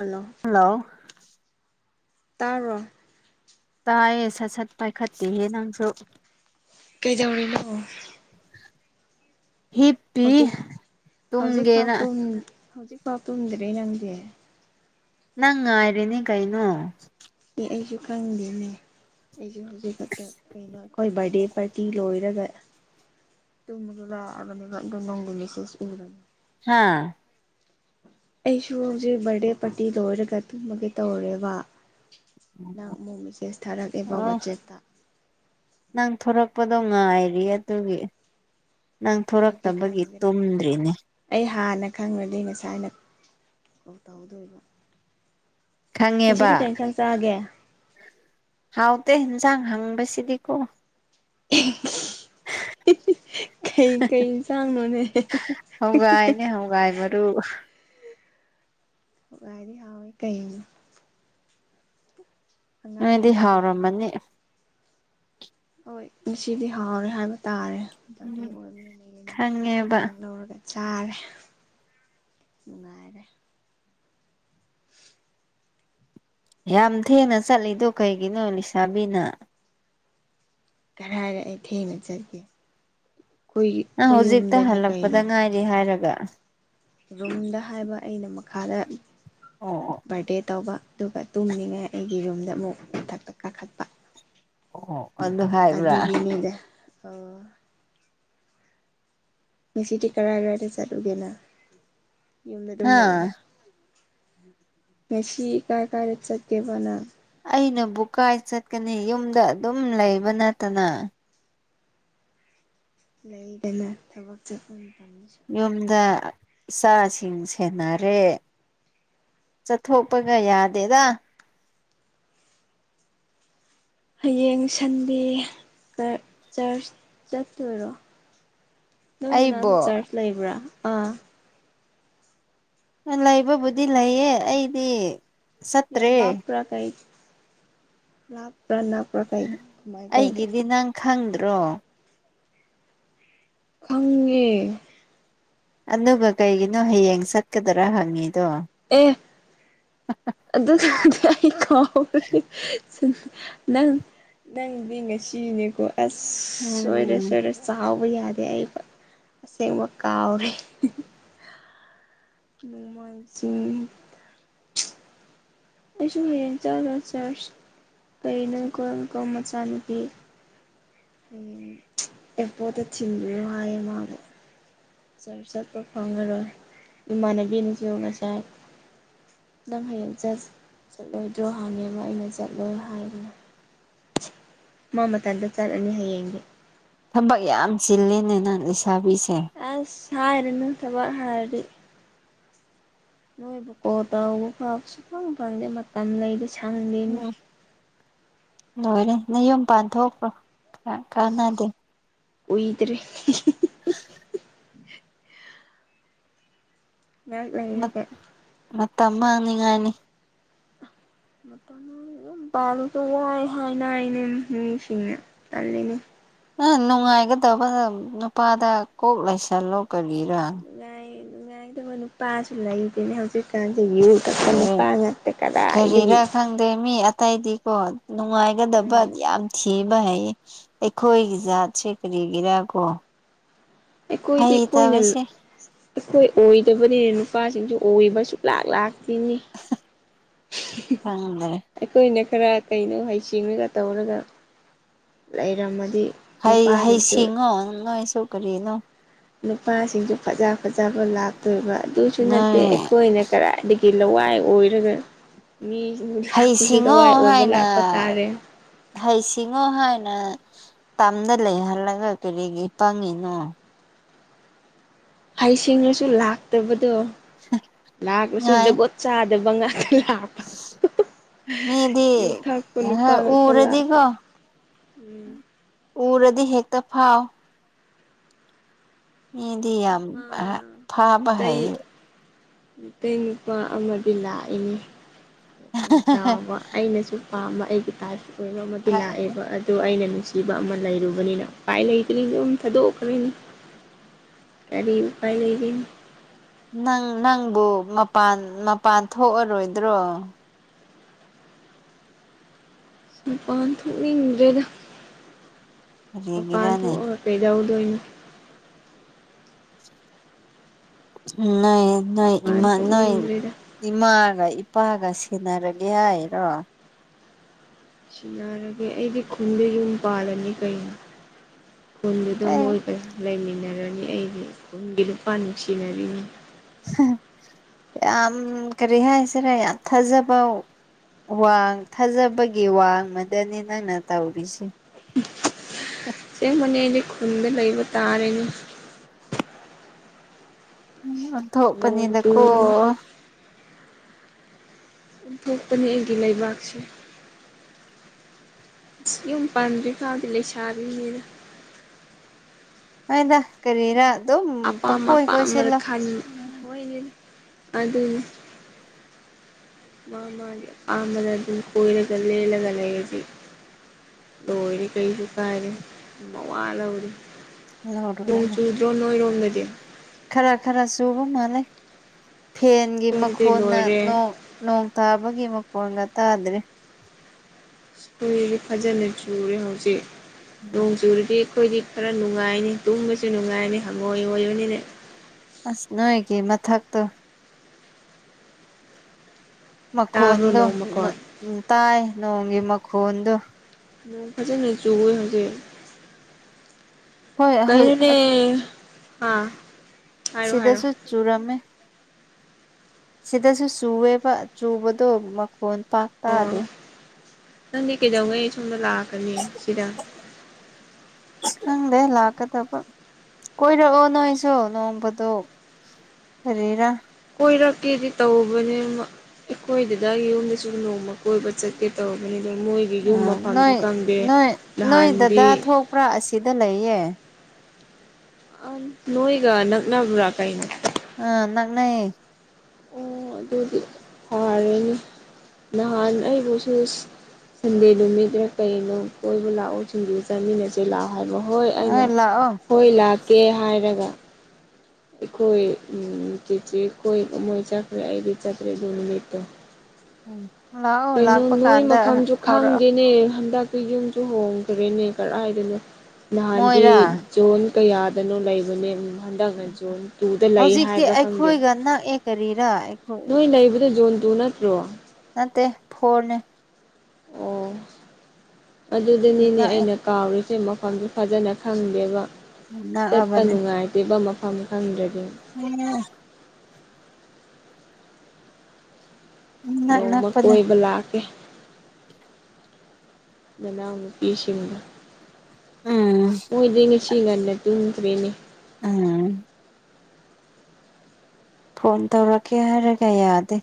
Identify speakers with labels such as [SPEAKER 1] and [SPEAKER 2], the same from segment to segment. [SPEAKER 1] hello
[SPEAKER 2] hello
[SPEAKER 1] ꯇꯔꯣ
[SPEAKER 2] ꯇꯥꯏꯌꯦꯦ ꯁꯠ ꯁꯠ ꯄꯥꯏꯈꯠꯇꯤ ꯍꯦ ꯅꯪꯁꯨꯣ
[SPEAKER 1] ꯀꯩꯖꯧꯅꯤꯅ
[SPEAKER 2] ꯍꯤꯞꯄꯤ
[SPEAKER 1] ꯍꯧꯖꯤꯛ ꯍꯧꯖꯤꯛ ꯐꯥꯎ
[SPEAKER 2] ꯇꯨꯝꯒꯦꯅ
[SPEAKER 1] ꯍꯧꯖꯤꯛ ꯐꯥꯎ ꯎꯝꯗ꯭ꯔꯦ ꯅꯪꯗꯤ
[SPEAKER 2] ꯅꯪ ꯉꯥꯏꯔꯤꯅꯤ ꯀꯩꯅꯣ
[SPEAKER 1] ꯑꯩꯁꯨ ꯈꯪꯗꯦꯅꯦ ꯑꯩꯁꯨ ꯍꯧꯖꯤꯛ ꯈꯛꯇ ꯀꯩꯅꯣ ꯑꯩꯈꯣꯏ ꯕꯥꯔꯗꯦ ꯄꯥꯔꯇꯤ ꯂꯣꯏꯔ ꯇꯣꯗꯨ ꯑꯕꯅꯤꯕ ꯑꯗꯨꯝ ꯅꯒꯣ ꯃꯤꯁꯦꯁ ꯎꯕ
[SPEAKER 2] ꯍꯥꯥ
[SPEAKER 1] ꯑꯩꯁꯨ ꯍꯧꯁꯦ ꯕꯔꯦ ꯄꯥꯔꯇꯤ ꯂꯣꯏꯔꯒ ꯇꯨꯝꯃꯒꯦ ꯇꯧꯔꯦꯕ ꯅꯪ ꯑꯃꯨꯛ ꯃꯦꯁꯦꯖ ꯊꯥꯔꯛꯑꯦꯕ
[SPEAKER 2] ꯑꯣ
[SPEAKER 1] ꯋꯥꯆꯦꯞꯇ
[SPEAKER 2] ꯅꯪ ꯊꯣꯔꯛꯄꯗꯣ ꯉꯥꯏꯔꯤ ꯑꯗꯨꯒꯤ ꯅꯪ ꯊꯣꯔꯛꯇꯕꯒꯤ ꯇꯨꯝꯗ꯭ꯔꯤꯅꯦ
[SPEAKER 1] ꯊꯥꯅ ꯈꯪꯉꯗꯤ ꯉꯁꯥꯏꯅ ꯀ ꯇꯧꯍꯧꯗꯣꯏꯕ
[SPEAKER 2] ꯈꯪꯉꯦꯕ
[SPEAKER 1] ꯖꯤꯔꯤ ꯀꯥꯏ ꯆꯪ ꯆꯒꯦ
[SPEAKER 2] ꯍꯥꯎꯗꯦ ꯌꯦꯟꯁꯥꯡ ꯍꯪꯕꯁꯤꯗꯤꯀꯣ
[SPEAKER 1] [inaudible] ꯀꯩ ꯀꯩ ꯏꯟꯁꯥꯡꯅꯣꯅꯦ
[SPEAKER 2] [inaudible] ꯍꯧꯋꯥꯏꯅꯦ ꯍꯧꯋꯥꯏ ꯃꯔꯨ
[SPEAKER 1] ꯒꯗꯤ ꯍꯥꯎꯣꯏ ꯀꯩꯅꯤ
[SPEAKER 2] ꯅꯗꯤ ꯍꯥꯎꯔꯝꯕꯅꯤ
[SPEAKER 1] ꯍꯣꯏ ꯉꯁꯤꯗꯤ ꯍꯥꯎꯔꯦ ꯍꯥꯏꯕ ꯇꯥꯔꯦ
[SPEAKER 2] ꯎꯝ
[SPEAKER 1] ꯑꯣꯏꯔꯃꯤ
[SPEAKER 2] ꯈꯪꯉꯦꯕ
[SPEAKER 1] ꯆꯥꯡꯂ ꯑꯣꯏꯔꯒ ꯆꯥꯔꯦ ꯅꯨꯡꯉꯥꯏꯔꯦ
[SPEAKER 2] ꯌꯥꯝ ꯊꯦꯡꯅ ꯆꯠꯂꯤꯗꯣ ꯀꯩꯒꯤꯅꯣ ꯁꯥꯕꯤꯅ
[SPEAKER 1] ꯀꯔꯍꯥꯏꯔꯛ ꯑꯩ ꯊꯦꯡꯅ ꯆꯠꯒꯦ
[SPEAKER 2] ꯅꯪ ꯍꯧꯖꯤꯛꯇ ꯍꯜꯂꯛꯄꯗ ꯉꯥꯏꯔꯤ ꯍꯥꯏꯔꯒ
[SPEAKER 1] ꯔꯨꯝꯗ ꯍꯥꯏꯕ ꯑꯩꯅ ꯃꯈꯥꯗ
[SPEAKER 2] ꯑꯣ
[SPEAKER 1] ꯕꯥꯔꯗꯦ ꯇꯧꯕ ꯑꯗꯨꯒ ꯇꯨꯝꯂꯤꯉꯥꯏ ꯑꯩꯒꯤ ꯔꯨꯝꯗ ꯑꯃꯨꯛ ꯃꯊꯛꯇ ꯀꯥꯈꯠꯄ
[SPEAKER 2] ꯑꯣ ꯑꯣ ꯑꯗꯨ ꯍꯥꯏꯕ꯭ꯔꯥ
[SPEAKER 1] ꯑꯗꯨꯒꯤ ꯃꯤꯗ ꯑꯣ ꯉꯁꯤꯗꯤ ꯀꯔꯥꯏ ꯀꯔꯥꯏꯗ ꯆꯠꯂꯨꯒꯦꯅ ꯌꯨꯝꯗ ꯑꯗꯨꯝ
[SPEAKER 2] ꯍꯥ
[SPEAKER 1] ꯂꯩꯌꯦꯕ ꯉ ꯁꯤ ꯀꯥꯏ ꯀꯔꯦ ꯆꯦꯕꯅꯥ
[SPEAKER 2] ꯑꯩꯅ ꯕꯨꯀꯥꯏ ꯆꯠꯀꯅꯤ ꯌꯨꯝꯗ ꯑꯗꯨꯝ ꯂꯩꯕ ꯅꯠꯇꯅ
[SPEAKER 1] ꯂꯩꯗꯅ ꯊꯕꯛ ꯆꯠꯐꯝ
[SPEAKER 2] ꯌꯨꯝꯗ ꯏꯆꯥꯁꯤꯡ ꯁꯦꯟꯅꯔꯦ ꯆꯠꯊꯣꯛꯄꯒ ꯌꯥꯗꯦꯗ
[SPEAKER 1] ꯍꯌꯦꯡ ꯁꯟꯗꯦ ꯆꯔꯆ ꯆꯠꯇꯔꯣ ꯅꯣꯏ
[SPEAKER 2] ꯑꯩꯕꯨ
[SPEAKER 1] ꯃꯅꯥꯗ ꯆꯔꯆ ꯂꯩꯕ꯭ꯔꯥ ꯑꯥ
[SPEAKER 2] ꯂꯩꯕꯕꯨꯗꯤ ꯂꯩꯌꯦ ꯑꯩꯗꯤ
[SPEAKER 1] ꯌꯥꯝ
[SPEAKER 2] ꯆꯠꯇ꯭ꯔꯦ
[SPEAKER 1] ꯂꯞꯄꯔ [unintelligible]
[SPEAKER 2] ꯑꯩꯒꯤꯗꯤ ꯅꯪ ꯈꯪꯗ꯭ꯔꯣ
[SPEAKER 1] ꯈꯪꯉꯦ
[SPEAKER 2] ꯑꯗꯨꯒ ꯀꯩꯒꯤꯅꯣ ꯍꯌꯦꯡ ꯆꯠꯀꯗꯔꯥ ꯍꯪꯉꯤ
[SPEAKER 1] ꯑꯦ ꯑꯗꯨ ꯅꯪ ꯅꯪꯗꯤ ꯉꯁꯤꯅꯦꯀꯣ ꯑꯁ ꯁꯣꯏꯔꯦ
[SPEAKER 2] ꯎꯝ
[SPEAKER 1] ꯁꯣꯏꯦꯔꯦ ꯁꯥꯎ ꯌꯥꯗꯦ ꯑꯩ ꯑꯁꯦꯡꯕ ꯀꯥꯎꯔꯦ ꯅꯨꯡꯃꯥꯏꯁꯤ ꯑꯁꯨꯝ ꯍꯌꯦꯡ ꯆꯥꯗ ꯆꯔꯆ ꯀꯔꯤꯅꯣ ꯀꯣꯝ ꯀꯣ ꯃꯆꯥꯅꯨꯄꯤ ꯎꯝ ꯑꯦꯄ ꯇ ꯆꯤꯟꯃꯤ ꯍꯥꯏꯌꯦ ꯃꯥꯒ ꯆꯔ ꯆꯠꯄ ꯐꯪꯉꯔꯣꯏ ꯏꯃꯥꯟꯅꯕꯤꯅꯁꯨꯨ ꯉꯁꯥꯏ ꯅꯪ ꯍꯌꯦꯡꯠ ꯆꯠꯂꯣꯏꯗ꯭ꯔꯣ ꯍꯪꯉꯦꯕ ꯑꯩꯅ ꯆꯠꯂꯣꯏ ꯍꯥꯏꯕꯅꯦ ꯃꯥ ꯃꯇꯗ ꯆꯠꯂꯅꯤ ꯍꯌꯦꯡꯅꯦ
[SPEAKER 2] ꯊꯕꯛ ꯌꯥꯝ ꯆꯤꯜꯂꯤꯦꯅꯦꯅ ꯂꯩꯁꯥꯕꯤꯁꯦ
[SPEAKER 1] ꯊꯔꯅ ꯁꯕ ꯍꯥꯏꯔꯤ ꯅꯣꯏꯕꯨ ꯀꯣ ꯇꯕ ꯐꯥꯎ ꯁꯨ ꯐꯪ ꯐꯪꯗꯦ ꯃꯇꯝ ꯂꯩꯕ ꯆꯃꯤꯟ
[SPEAKER 2] ꯎꯝ ꯂꯣꯏꯔꯦ ꯅꯪ ꯌꯨꯝ ꯄꯥꯟ ꯊꯣꯛꯣꯛꯄ꯭ꯔꯣ ꯀꯥꯟꯅꯗꯦ
[SPEAKER 1] ꯑꯣꯏ ꯏꯗ꯭ꯔꯦ
[SPEAKER 2] [inaudible]
[SPEAKER 1] ꯉ ꯂꯩꯒꯦ
[SPEAKER 2] ꯇꯃ ꯍꯥꯡꯅꯤꯡꯉꯥꯏꯅꯤ
[SPEAKER 1] ꯃꯇꯔꯁꯨ ꯋꯥꯏ ꯍꯥꯏꯅ ꯏꯩꯅ ꯃꯤꯁꯤꯅꯦ ꯑꯅꯦ
[SPEAKER 2] ꯅꯪ ꯅꯨꯡꯉꯥꯏꯒꯗꯕ ꯅꯨꯄꯥꯗ ꯀꯣꯛ ꯂꯩꯁꯜꯂꯣ ꯀꯔꯤꯔꯥ
[SPEAKER 1] ꯃꯗꯤ ꯃꯅ ꯄꯥꯁꯨ ꯂꯩꯏꯗꯅꯤ ꯍꯧꯖꯤꯛꯀ ꯌ ꯀ
[SPEAKER 2] ꯑꯦ
[SPEAKER 1] ꯀꯅꯤꯄꯥꯉꯇꯦ ꯀꯗꯥ
[SPEAKER 2] ꯀꯔꯤꯔꯥ
[SPEAKER 1] ꯏꯒꯤ
[SPEAKER 2] ꯈꯪꯗꯦ ꯃꯤ ꯑꯇꯩꯗꯤꯀꯣ ꯅꯨꯡꯉꯥꯏꯒꯗꯕ
[SPEAKER 1] ꯎꯝ
[SPEAKER 2] ꯌꯥꯝ ꯊꯤꯕ ꯚꯥꯏ ꯑꯩꯈꯣꯏꯒꯤ ꯖꯥꯠꯁꯦ ꯀꯔꯤꯒꯤꯔꯥ ꯀꯣ
[SPEAKER 1] ꯑꯩꯈꯣꯏꯗꯤ ꯑꯩꯈꯣꯏꯅ
[SPEAKER 2] ꯍꯩꯇꯕꯁꯦ
[SPEAKER 1] ꯑꯩꯈꯣꯏ ꯑꯣꯏꯗꯕꯅꯤꯅ ꯅꯨꯄꯥꯁꯤꯡꯁꯨ ꯑꯣꯏꯕ ꯁꯨꯛꯂꯥꯛ ꯂꯥꯛꯇꯤꯅꯤ
[SPEAKER 2] ꯈꯪꯗ꯭ꯔꯦ
[SPEAKER 1] ꯑꯩꯈꯣꯏꯅ ꯈꯔ ꯀꯩꯅꯣ ꯍꯩꯁꯤꯡꯉꯒ ꯇꯧꯔꯒ ꯂꯩꯔꯝꯃꯅꯤ
[SPEAKER 2] ꯍꯩ ꯍꯩꯁꯤꯡꯉꯣ ꯅꯣꯏꯁꯨ ꯀꯔꯤꯅꯣ
[SPEAKER 1] ꯅꯨꯄꯥꯁꯤꯡꯁꯨ ꯐꯖ ꯐꯖꯕ ꯂꯥꯛꯇꯣꯏꯕ ꯑꯗꯨꯁꯨ ꯅꯠꯇꯦ
[SPEAKER 2] ꯅꯣꯏ
[SPEAKER 1] ꯑꯩꯈꯣꯏꯅ ꯀ ꯇꯤꯜꯂꯧ ꯋꯥꯏ ꯑꯣꯏꯔꯒ ꯃꯤꯁꯤꯡ ꯂꯥꯛꯄꯁꯨ
[SPEAKER 2] ꯍꯩꯁꯤꯡꯉꯣ
[SPEAKER 1] ꯂꯋꯥꯏ ꯑꯣꯏꯕ
[SPEAKER 2] ꯍꯥꯏꯅ
[SPEAKER 1] ꯂꯥꯛꯄ ꯇꯥꯔꯦ
[SPEAKER 2] ꯍꯩꯁꯤꯡꯉꯣ ꯍꯥꯏꯅ ꯇꯝꯗ ꯂꯩꯍꯜꯂꯒ ꯀꯔꯤꯒꯤ ꯐꯪꯉꯤꯅꯣ
[SPEAKER 1] ꯍꯩꯁꯤꯡꯉꯁꯨ ꯂꯥꯛꯇꯕꯗꯣ ꯂꯥꯛꯂꯁꯨ
[SPEAKER 2] ꯉꯥꯏ
[SPEAKER 1] ꯖꯒꯣꯠ ꯆꯥꯗꯕ ꯉꯥꯛꯇ ꯂꯥꯛꯄ
[SPEAKER 2] ꯃꯤꯗꯤ
[SPEAKER 1] ꯌꯨ ꯊꯛꯄ ꯅꯨꯄꯥ ꯉꯥꯛꯇ ꯂꯥꯛꯄ
[SPEAKER 2] ꯎꯔꯗꯤꯀꯣ
[SPEAKER 1] ꯎꯝ
[SPEAKER 2] ꯎꯔꯗꯤ ꯍꯦꯛꯇ ꯐꯥꯎꯥꯎ ꯃꯤꯦꯗꯤꯌꯥꯝ
[SPEAKER 1] ꯅꯨꯄꯥ
[SPEAKER 2] ꯐꯥꯕ ꯍꯥꯏ
[SPEAKER 1] ꯃꯩ ꯅꯨꯄꯥ ꯑꯃꯗꯤ ꯂꯥꯛꯏꯅꯤ ꯌꯥꯝ ꯆꯥꯎꯕ ꯑꯩꯅꯁꯨ ꯑꯄꯥꯝꯕ ꯑꯩꯒꯤ ꯏ ꯇꯥꯏꯁꯨ ꯑꯣꯏꯕ ꯑꯃꯗꯤ ꯂꯥꯛꯑꯦꯕ ꯑꯗꯣ ꯑꯩꯅ ꯅꯨꯡꯁꯤꯕ ꯑꯃ ꯂꯩꯔꯨꯕꯅꯤꯅ ꯎꯄꯥꯏ ꯂꯩꯇ꯭ꯔꯤꯗ ꯑꯗꯨꯝ ꯊꯥꯗꯣꯛꯈ꯭ꯔꯅꯤ ꯀꯔꯤꯄꯥꯏ ꯂꯩꯔꯤꯅꯤ
[SPEAKER 2] ꯅꯪ ꯅꯪꯕꯨ ꯃꯄꯥꯟ ꯃꯄꯥꯟ ꯊꯣꯛꯑꯔꯣꯏꯗ꯭ꯔꯣ
[SPEAKER 1] ꯃꯄꯥꯟ ꯊꯣꯛ ꯏꯗꯦꯗ ꯃꯄꯥꯟ
[SPEAKER 2] ꯀꯔꯤꯒꯤꯔꯅꯦ
[SPEAKER 1] ꯊꯣꯛ ꯄꯗ ꯎ ꯗꯏ
[SPEAKER 2] ꯅ ꯅꯣꯏ
[SPEAKER 1] ꯃꯄꯥꯟ
[SPEAKER 2] ꯏꯃ ꯅꯣꯏ
[SPEAKER 1] ꯊꯣꯛꯅꯤꯡꯗ꯭ꯔꯦꯗ
[SPEAKER 2] ꯏꯃꯥꯒ ꯏꯄꯥꯒ ꯁꯦꯟꯅꯔꯒꯦ ꯍꯥꯏꯔꯣ
[SPEAKER 1] ꯁꯤ ꯌꯥꯔꯒꯦ ꯑꯩꯗꯤ ꯈꯨꯟꯗ ꯌꯨꯝ ꯄꯥꯜꯂꯅꯤ ꯀꯩꯅꯣ ꯈꯨꯟꯗꯨꯗ
[SPEAKER 2] ꯑꯦ
[SPEAKER 1] ꯃꯣꯏꯒ ꯂꯩꯃꯤꯟꯅꯔꯅꯤ ꯑꯩꯒꯤ ꯈꯨꯟꯒꯤ ꯂꯨꯄꯥ ꯅꯨꯡꯁꯤꯅꯔꯤꯅꯤ
[SPEAKER 2] ꯌꯥꯝ ꯀꯔꯤ ꯍꯥꯏꯁꯤꯔꯦ ꯌꯥꯝ ꯊꯥꯖꯕ ꯋꯥꯡ ꯊꯥꯖꯕꯒꯤ ꯋꯥꯡꯃꯗꯅꯤ ꯅꯪꯅ ꯇꯧꯔꯤꯁꯦ
[SPEAKER 1] ꯁꯤ ꯃꯅꯤꯗꯤ ꯈꯨꯟꯗ ꯂꯩ ꯇꯔꯦꯅꯦ
[SPEAKER 2] ꯎꯝ ꯊꯣꯛꯣꯛꯄꯅꯤꯗꯀꯣ
[SPEAKER 1] ꯆꯨꯕꯅ ꯐꯣꯄꯅꯤ ꯑꯩꯒꯤ ꯂꯩꯕꯥꯛꯁꯤ ꯨꯝ ꯄꯟ꯭ ꯐ ꯑꯗꯨ ꯂꯩ ꯁꯔꯗ
[SPEAKER 2] ꯅꯣꯏꯗ ꯀꯔꯤꯔꯥ ꯑꯗꯨꯝ
[SPEAKER 1] ꯑꯄꯥꯝ
[SPEAKER 2] ꯄꯪꯀꯣꯏ ꯀꯣꯏꯁꯤꯜꯂꯣ
[SPEAKER 1] ꯑꯗꯨꯗ ꯃꯥꯃ ꯑꯃꯔꯔꯖꯟ ꯀꯣꯏꯂꯒ ꯂꯂꯒꯅꯦ ꯍꯥꯏꯖꯤ ꯗꯣꯏꯅꯤ ꯀꯩꯁꯨ ꯀꯥꯔ ꯏꯃ ꯋꯥꯂꯧꯗꯤ
[SPEAKER 2] ꯂꯧꯔꯨꯔꯅꯨ
[SPEAKER 1] ꯃꯣꯡꯆꯨꯗ꯭ꯔ ꯅꯣꯏꯔꯣꯟꯗꯗꯌꯥ
[SPEAKER 2] ꯈꯔ ꯈꯔ ꯆꯨꯕ ꯃꯥꯂꯩ ꯐꯦꯟꯒꯤ
[SPEAKER 1] ꯑꯩꯈꯣꯏꯗꯗꯤ
[SPEAKER 2] ꯃꯈꯣꯟꯅ
[SPEAKER 1] ꯂꯣꯏꯔꯦ
[SPEAKER 2] ꯅꯣꯡ ꯇꯥꯕ ꯃꯒꯤ ꯃꯄꯣꯒꯠꯇ ꯑꯗꯨ꯭ꯔꯦ
[SPEAKER 1] ꯁꯣꯏ ꯂꯦ ꯐꯖꯅꯁꯨꯨꯔꯔꯤ ꯍ ꯍꯧꯖꯤꯦ ꯅꯣꯡꯖꯨꯔꯔꯤ ꯑꯩꯈꯣꯏꯗꯤ ꯈꯔ ꯅꯨꯡꯉꯥꯏꯅꯤ ꯇꯨꯝꯕꯁꯨ ꯅꯨꯡꯉꯥꯏꯅꯤ ꯍꯪꯉꯣꯏ ꯑꯣꯏꯣꯏꯕꯅꯤꯅꯦ
[SPEAKER 2] ꯑꯁ ꯅꯣꯣꯏꯒꯤ ꯃꯊꯥꯛꯛꯇ
[SPEAKER 1] ꯇꯥꯕ꯭ꯔꯣ
[SPEAKER 2] ꯃꯈꯣꯟꯗꯨ
[SPEAKER 1] ꯅꯣꯡ ꯃꯈꯣꯟ
[SPEAKER 2] ꯎꯝ ꯇꯥꯏ ꯅꯣꯡꯒꯤ ꯃꯈꯣꯟꯗꯨ
[SPEAKER 1] ꯃ ꯐꯖꯦ ꯅ ꯆꯨꯣꯏ ꯍꯧꯖꯤꯦ
[SPEAKER 2] ꯍꯣꯏ
[SPEAKER 1] ꯀꯥꯏꯅꯅꯦ ꯍꯥꯥ ꯁꯔꯣ ꯁꯔ
[SPEAKER 2] ꯁꯤꯗꯁꯨ ꯆꯨꯔꯝꯃꯦ ꯁꯤꯗꯁꯨ ꯆꯨꯕ ꯆꯨꯕꯗꯣ ꯃꯈꯣꯟ ꯄꯥꯛ
[SPEAKER 1] ꯑꯣ
[SPEAKER 2] ꯇꯥꯗꯦ
[SPEAKER 1] ꯅꯪꯗꯤ ꯀꯩꯗꯧꯉꯩ ꯑꯩ ꯁꯣꯝꯗ ꯂꯥꯛꯀꯅꯤ ꯁꯤꯗ
[SPEAKER 2] ꯎꯪꯗꯦ ꯂꯥꯛꯀꯗꯕ ꯀꯣꯏꯔꯛꯑꯣ ꯅꯣꯏꯁꯨ ꯅꯣꯡꯃꯗ ꯀꯔꯤꯔꯥ
[SPEAKER 1] ꯀꯣꯏꯔꯛꯀꯦꯗꯤ ꯇꯧꯕꯅꯤ ꯑꯩꯈꯣꯏꯗꯨꯗ ꯌꯨꯝꯗꯁꯨ ꯅꯣꯡꯃ ꯀꯣꯏꯕ ꯆꯠꯀꯦ ꯇꯧꯕꯅꯤꯅ ꯑꯗ ꯃꯣꯏꯒꯤ ꯌꯨꯝ ꯃꯐꯝꯁꯨ
[SPEAKER 2] ꯅꯣꯏ
[SPEAKER 1] ꯀꯪꯗꯦ
[SPEAKER 2] ꯅꯣꯏ ꯅꯣꯏ
[SPEAKER 1] ꯅꯍꯥꯟꯗꯤ
[SPEAKER 2] ꯗꯗꯥ ꯊꯣꯛꯄ꯭ꯔꯥ ꯑꯁꯤꯗ ꯂꯩꯌꯦ
[SPEAKER 1] ꯑ ꯅꯣ ꯏꯒ ꯅꯒꯅꯕ ꯔ ꯀꯥꯏꯅꯤ
[SPEAKER 2] ꯑꯥ ꯅꯪꯅꯥꯑ
[SPEAKER 1] ꯑꯣ ꯑꯗꯨꯗꯤ ꯐꯔꯦꯅꯦ ꯅꯍꯥꯟ ꯑꯩꯕꯨꯁꯨ ꯁꯟꯗꯦ ꯅꯨꯃꯤꯠꯇ꯭ꯔ ꯀꯩꯅꯣ ꯀꯣꯏꯕ ꯂꯥꯛꯑꯣ ꯁꯤꯡꯖꯨ ꯆꯥꯃꯤꯟꯅꯁꯦ ꯂꯥꯛꯑꯣ ꯍꯥꯏꯕ ꯍꯣꯏ ꯑꯩꯅ ꯍꯣꯏ ꯂꯥꯛꯀꯦ ꯍꯥꯏꯔꯒ ꯈꯣꯏ ꯎ ꯇꯆꯣꯏ ꯃꯣꯏ ꯆꯀꯔꯤ ꯑꯗꯤ ꯆꯀꯔꯤꯗꯨꯅ ꯅꯇ
[SPEAKER 2] ꯎꯝ ꯂꯥꯛꯑꯣ
[SPEAKER 1] ꯀꯩꯅꯣ
[SPEAKER 2] ꯂꯥꯛꯄ
[SPEAKER 1] ꯅꯣꯏ
[SPEAKER 2] ꯀꯥꯟꯗ
[SPEAKER 1] ꯃꯐꯝꯁꯨ
[SPEAKER 2] ꯐꯥꯎꯔꯛꯑꯣ
[SPEAKER 1] ꯈꯪꯗꯦꯅꯦ ꯍꯟꯗꯛ ꯑꯩꯈꯣꯏ ꯌꯨꯝꯁꯨ ꯍꯣꯡꯗ꯭ꯔꯦꯅꯦ ꯀꯔ ꯍꯥꯏꯗꯅꯣ ꯅꯍꯥꯟꯗꯤ
[SPEAKER 2] ꯃꯣꯏꯔꯥ
[SPEAKER 1] ꯖꯣꯟ ꯀꯌꯥꯗꯅꯣ ꯂꯩꯕꯅꯦ ꯍꯟꯗꯛꯅ ꯖꯣꯟ ꯇꯨꯗ ꯂꯩ ꯍꯥꯏꯕ ꯈꯪꯒꯦ
[SPEAKER 2] ꯇꯔꯤꯔ ꯑꯩꯈꯣꯏ
[SPEAKER 1] ꯇꯅ ꯄ꯭ꯔꯣ
[SPEAKER 2] ꯅꯠꯇ ꯐꯣꯔꯅꯦ
[SPEAKER 1] ꯑꯣ
[SPEAKER 2] ꯑꯗꯨ
[SPEAKER 1] ꯑꯗꯨꯗꯅꯤꯅꯦ
[SPEAKER 2] ꯅꯛꯑꯦ
[SPEAKER 1] ꯑꯩꯅ ꯀꯥꯎꯔꯤ ꯁꯤ ꯃꯐꯝꯗꯨ ꯐꯖꯅ ꯈꯪꯗꯦꯕ ꯆꯠꯄ
[SPEAKER 2] ꯅꯛꯑꯕꯅꯦ
[SPEAKER 1] ꯅꯨꯡꯉꯥꯏꯇꯦꯕ ꯃꯐꯝ ꯈꯪꯗ꯭ꯔꯗꯤ
[SPEAKER 2] ꯎꯝ ꯏꯅꯛ
[SPEAKER 1] ꯅꯣꯡꯃ
[SPEAKER 2] ꯅꯛꯄꯅꯦ
[SPEAKER 1] ꯀꯣꯏꯕ ꯂꯥꯛꯀꯦ ꯏ ꯄꯁꯤꯗ
[SPEAKER 2] ꯎꯝ
[SPEAKER 1] ꯑꯣ ꯏꯗꯤꯁꯤꯤꯒ ꯇꯨꯡ ꯀꯦꯅꯦ
[SPEAKER 2] ꯎꯝ ꯐꯣꯟ ꯇꯧꯔꯛꯀꯦ ꯍꯥꯏꯔꯒ ꯌꯥꯗꯦ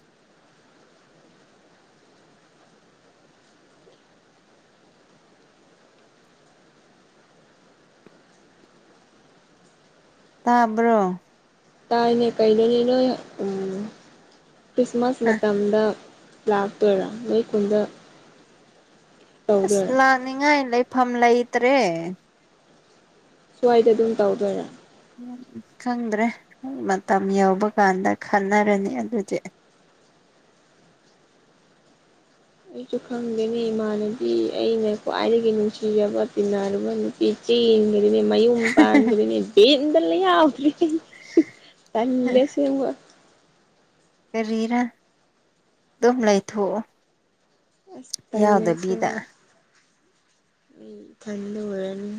[SPEAKER 2] ꯇꯥꯕ꯭ꯔꯣ
[SPEAKER 1] ꯇꯥꯏꯅꯦ ꯀꯩꯩꯅꯣꯅꯤ ꯅꯣꯏ ꯎ ꯈ꯭ꯔꯤꯁꯃꯥꯁ ꯃꯇꯝꯗ ꯂꯥꯛꯇꯣꯏꯔꯥ ꯅꯣꯏ ꯈꯨꯟꯗ
[SPEAKER 2] ꯑꯁ
[SPEAKER 1] ꯇꯧꯗꯣꯏꯔꯥ
[SPEAKER 2] ꯂꯥꯟꯅꯤꯡꯉꯥꯏ ꯂꯩꯐꯝ ꯂꯩꯇ꯭ꯔꯦ
[SPEAKER 1] ꯁ꯭ꯋꯥꯏꯗ ꯑꯗꯨꯝ ꯇꯧꯗꯣꯏꯔꯥ
[SPEAKER 2] ꯎ ꯈꯪꯗ꯭ꯔꯦ ꯃꯇꯝ ꯌꯧꯕ ꯀꯥꯟꯗ ꯈꯟꯅꯔꯅꯤ ꯑꯗꯨꯗꯤ
[SPEAKER 1] ꯑꯩꯁꯨ ꯈꯪꯗꯦꯅꯤ ꯏꯃꯥꯅꯗꯤ ꯑꯩꯅ ꯈ꯭ꯋꯥꯏꯗꯒꯤ ꯅꯨꯡꯁꯤꯖꯕ ꯇꯤꯟꯅꯔꯨꯔꯕ ꯅꯨꯄꯤ ꯆꯦ ꯗꯅꯦ ꯃꯌ ꯄꯥꯟꯗꯅꯅꯦ ꯕꯟꯗ ꯂꯩ ꯌꯥꯎꯗ꯭ꯔꯤ ꯇꯂꯦ ꯁꯤꯃ
[SPEAKER 2] ꯀꯔꯤꯔꯥ ꯑꯗꯨꯝ ꯂꯩꯏꯊꯣꯛꯑꯣ
[SPEAKER 1] ꯑꯁ ꯇꯜꯂꯦ
[SPEAKER 2] ꯌꯥꯎꯗꯕꯤꯗ
[SPEAKER 1] ꯊꯟꯗ ꯑꯣꯏꯔꯅꯤ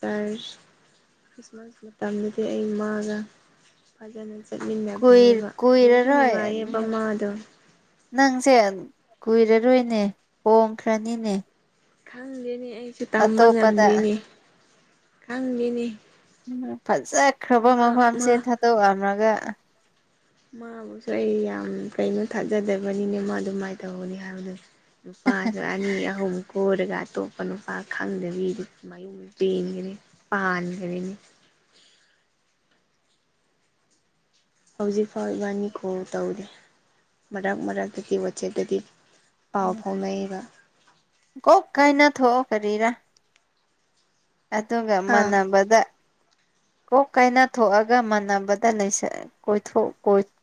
[SPEAKER 1] ꯆꯔ [unintelligible] ꯈ꯭ꯔꯤꯁꯃꯥꯁ ꯃꯇꯝꯗꯗꯤ ꯑꯩꯃꯥꯒ ꯐꯖꯅꯖꯩ
[SPEAKER 2] ꯀꯏꯔ ꯀꯏꯔ ꯔ
[SPEAKER 1] ꯃꯥꯗꯣ
[SPEAKER 2] ꯅꯪꯁꯦ ꯀꯨꯏꯔꯔꯣꯏꯅꯦ ꯍꯣꯡꯈ꯭ꯔꯅꯤꯅꯦ
[SPEAKER 1] ꯈꯪꯗꯦꯅꯤ ꯑꯩꯁꯨ ꯇꯝꯕ
[SPEAKER 2] ꯑꯇꯣꯞꯄꯗ
[SPEAKER 1] ꯉꯝꯗꯦꯅꯤ ꯈꯪꯗꯦꯅꯤ
[SPEAKER 2] ꯎꯝ ꯐꯖꯈ꯭ꯔꯕ
[SPEAKER 1] ꯃꯥ
[SPEAKER 2] ꯃꯐꯝꯁꯦ ꯊꯥꯗꯣꯛꯑꯝꯂꯒ
[SPEAKER 1] ꯃꯥꯕꯨꯁꯨ ꯑꯩ ꯌꯥꯝ ꯀꯩꯅꯣ ꯊꯥꯖꯗꯕꯅꯤꯅ ꯃꯥ ꯑꯗꯨꯃꯥꯏꯅ ꯇꯧꯒꯅꯤ ꯍꯥꯏꯕꯗꯨꯅꯤ ꯅꯨꯄꯥꯥꯁꯨ ꯑꯅꯤ ꯑꯍꯝ ꯀꯔꯒ ꯑꯇꯣꯞꯄ ꯅꯨꯄꯥ ꯈꯪꯗꯕꯤꯗꯤ ꯃꯌꯨꯝ ꯄꯦꯟꯒꯅꯤ ꯄꯥꯟꯒꯅꯤꯅꯦ
[SPEAKER 2] [unintelligible]
[SPEAKER 1] ꯍꯧꯖꯤꯛ ꯐꯥꯎꯕꯥꯅꯤꯈꯣ ꯇꯧꯗꯦ ꯃꯔꯛ ꯃꯔꯛꯇꯗꯤ ꯋꯥꯆꯦꯠꯇꯗꯤ ꯄꯥꯎ ꯐꯥꯎꯅꯩꯒ
[SPEAKER 2] ꯀ ꯀꯥꯏ ꯅ ꯊꯣꯛꯑꯣ ꯀꯔꯤꯔ ꯑꯇꯨꯒ
[SPEAKER 1] ꯍꯥ
[SPEAKER 2] ꯃꯥꯟꯅꯕꯗ ꯀꯣꯛ ꯀꯥꯏꯅꯊꯣꯛꯑꯒ ꯃꯥꯟꯅꯕꯗ ꯂꯩꯁꯤꯟ ꯀꯣꯏꯊꯣꯛ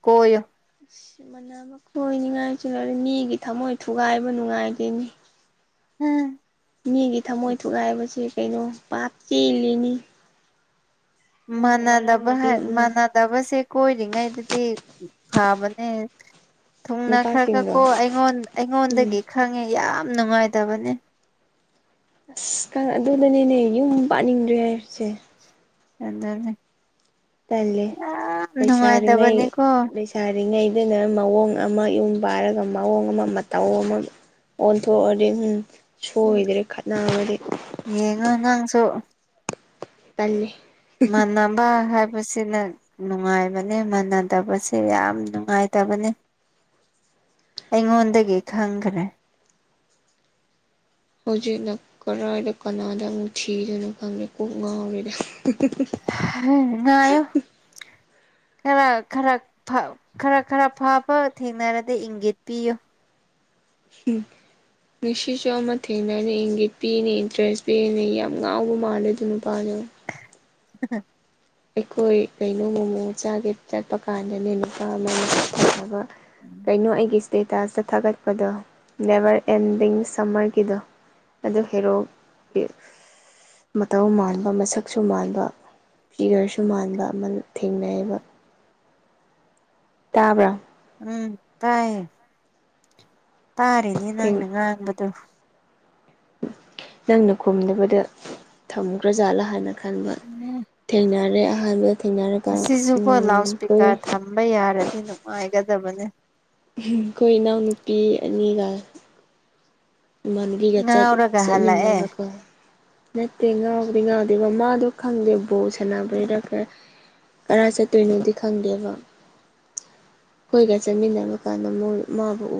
[SPEAKER 2] ꯀꯣꯏꯌꯨ
[SPEAKER 1] ꯃꯅꯥꯃ ꯀꯣꯏꯅꯤꯉꯥꯏꯁꯨꯅ ꯃꯤꯒꯤ ꯊꯃꯣꯏ ꯊꯨꯒꯥꯏꯕ ꯅꯨꯡꯉꯥꯏꯇꯦꯅꯦ
[SPEAKER 2] ꯎꯝ
[SPEAKER 1] ꯃꯤꯒꯤ ꯊꯝꯃꯣꯏ ꯊꯨꯒꯥꯏꯕꯕꯁꯤ ꯀꯩꯅꯣ ꯄꯥꯞ ꯆꯦꯜꯂꯤꯅꯤ ꯃꯣꯏꯅ
[SPEAKER 2] ꯃꯥꯟꯅꯗꯕ ꯍꯥ
[SPEAKER 1] ꯋꯥꯔꯧꯔꯗꯤ ꯎꯝ
[SPEAKER 2] ꯃꯥꯟꯅꯗꯕꯁꯦ ꯀꯣꯏꯔꯤꯉꯩꯗꯗꯤ ꯐꯕꯅꯦ
[SPEAKER 1] ꯅꯨꯄꯥꯁꯤꯡꯗꯣ
[SPEAKER 2] ꯊꯨꯡꯅꯈ꯭ꯔꯀꯀꯣ ꯑꯩꯉꯣꯟ
[SPEAKER 1] ꯎꯝ
[SPEAKER 2] ꯑꯩꯉꯣꯟꯗꯒꯤ ꯈꯪꯉꯦ ꯌꯥꯝ ꯌꯥꯝ ꯅꯨꯡꯉꯥꯏꯇꯕꯅꯦ
[SPEAKER 1] ꯑꯁ ꯑꯗꯨꯗꯅꯦꯅꯦ ꯌꯨꯝ ꯄꯥꯟꯅꯤꯡꯗ꯭ꯔꯦ ꯍꯥꯏꯔꯤꯁꯦ
[SPEAKER 2] ꯑꯗꯨꯅꯤ [unintelligible]
[SPEAKER 1] ꯇꯜꯂꯤ ꯂꯩꯁꯥꯔꯤꯉꯩ
[SPEAKER 2] ꯅꯨꯡꯉꯥꯏꯇꯕꯅꯤꯀꯣ
[SPEAKER 1] ꯂꯩꯁꯥꯔꯤꯉꯩꯗꯅ ꯃꯑꯣꯡ ꯑꯃ ꯌꯨꯝ ꯄꯥꯏꯔꯒ ꯃꯑꯣꯡ ꯑꯃ ꯃꯇꯧ ꯑꯃ ꯑꯣꯟꯊꯣꯛꯑꯗꯤ ꯎꯝ
[SPEAKER 2] ꯎꯝ
[SPEAKER 1] ꯁꯣꯏꯗ꯭ꯔꯦ ꯈꯠꯅꯕꯗꯤ
[SPEAKER 2] ꯌꯦꯡꯉꯣ ꯅꯪꯁꯨ
[SPEAKER 1] ꯇꯜꯂꯤ
[SPEAKER 2] ꯃꯥꯟꯅꯕ ꯃꯁꯤꯅ ꯅꯨꯡꯉꯥꯏꯕꯅꯤ ꯃꯅꯗꯕꯁꯦ ꯌꯥꯝ ꯅꯨꯡꯉꯥꯏꯇꯕꯅꯤ ꯑꯩꯉꯣꯟꯗꯒꯤ ꯈꯪꯈ꯭ꯔꯦ
[SPEAKER 1] ꯍꯧꯖꯤꯛꯅ ꯀꯔꯥꯏꯗ ꯀꯅꯥꯗ ꯑꯃꯨꯛ ꯊꯤꯗꯨꯏꯅꯣ ꯈꯪꯗꯦ ꯀꯣꯛ ꯉꯥꯎꯔꯦꯗ
[SPEAKER 2] ꯍꯥꯍ ꯉꯥꯏꯑꯣ ꯈꯔ ꯈꯔ ꯐ ꯈꯔ ꯈꯔ ꯐꯕ ꯊꯦꯡꯅꯔꯗꯤ ꯏꯪꯒꯤꯠ ꯄꯤꯌꯨ
[SPEAKER 1] ꯉꯁꯤꯁꯨ ꯑꯃ [unintelligible] ꯊꯦꯡꯅꯅꯤ ꯏꯪꯒꯤꯠ ꯄꯤꯅꯤ ꯏꯟꯇꯔꯦꯁ ꯄꯤꯅꯤ ꯌꯥꯝ ꯉꯥꯎꯕ ꯃꯥꯜꯂꯦ ꯑꯗꯨꯏ ꯅꯨꯄꯥꯗꯨ
[SPEAKER 2] ꯍ [unintelligible] [inaudible]
[SPEAKER 1] ꯑꯩꯈꯣꯏ ꯀꯩꯅꯣ ꯃꯣꯃꯣ ꯆꯥꯒꯦ ꯆꯠꯄ ꯀꯥꯟꯗꯅꯦ ꯅꯨꯄꯥ ꯑꯃ ꯃꯐꯕ [unintelligible] ꯀꯩꯅꯣ ꯑꯩꯒꯤ ꯏꯁꯇꯦꯇꯥꯁꯇ ꯊꯥꯒꯠꯄꯗꯣ ꯅꯦꯕꯔ ꯑꯦꯟꯗꯤꯡ ꯁꯝꯃꯔꯒꯤꯗꯣ ꯑꯗꯨ ꯍꯦꯔꯣꯛꯀꯤ ꯃꯇꯧ ꯃꯥꯟꯕ ꯃꯁꯛꯁꯨ ꯃꯥꯟꯕ ꯐꯤꯒꯔꯁꯨ ꯃꯥꯟꯕ ꯑꯃ ꯊꯦꯡꯅꯩꯌꯦꯕ ꯇꯥꯕ꯭ꯔꯥ
[SPEAKER 2] ꯎꯝ ꯇꯥꯏꯌꯦ ꯇꯥꯔꯤꯅꯦ
[SPEAKER 1] ꯊꯦꯡ
[SPEAKER 2] ꯅꯪꯅ ꯉꯥꯡꯕꯗꯣ
[SPEAKER 1] ꯅꯪꯅ ꯈꯨꯝꯗꯕꯗ ꯊꯝꯈ꯭ꯔꯥꯖꯥꯠꯂꯥ ꯍꯥꯟꯅ ꯈꯟꯕ
[SPEAKER 2] ꯎꯝ
[SPEAKER 1] ꯊꯦꯡꯅꯔꯦ ꯑꯍꯥꯟꯕ
[SPEAKER 2] ꯑꯁꯤꯁꯨꯀꯣ ꯂꯥꯎꯠ ꯏꯁꯄꯤꯀꯔ ꯊꯝꯕ ꯌꯥꯔꯗꯤ ꯅꯨꯡꯉꯥꯏꯒꯗꯕꯅꯦ
[SPEAKER 1] ꯏꯍꯤꯡ ꯈꯣꯏ ꯏꯅꯥꯎ ꯅꯨꯄꯤ ꯑꯅꯤꯒ ꯃꯥꯟꯕꯤꯒ ꯆꯠ
[SPEAKER 2] ꯉꯥꯎꯔꯒ ꯍꯜꯂꯛꯑꯦ
[SPEAKER 1] ꯆꯠꯃꯤꯅꯕꯀꯣ ꯅꯠꯇꯦ ꯉꯥꯎꯗꯤ ꯉꯥꯎꯗꯦꯕ ꯃꯗꯣ ꯈꯪꯗꯦ ꯕꯣ ꯁꯥꯟꯅꯕꯩꯔꯀ ꯀꯔꯥꯏ ꯆꯠꯇꯣꯏꯅꯣꯗꯤ ꯈꯪꯗꯦꯕ ꯍꯣꯏꯒ ꯆꯠꯃꯤꯟꯅꯕ ꯀꯥꯟꯗ ꯃꯣꯏ ꯃꯥꯕꯨ ꯎ